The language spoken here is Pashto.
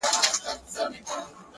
ستا د ژبې کيفيت او معرفت دی،